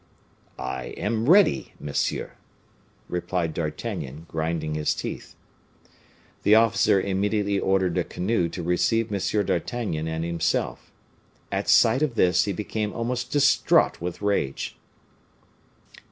"I am ready, monsieur," replied D'Artagnan, grinding his teeth. The officer immediately ordered a canoe to receive M. d'Artagnan and himself. At sight of this he became almost distraught with rage.